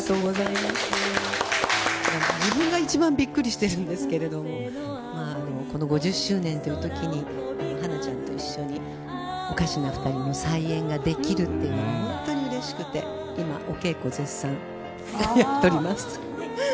自分が一番びっくりしているんですけどこの５０周年というときにハナちゃんと一緒におかしな二人の再演ができるというのはうれしくて今もお稽古を絶賛やっています。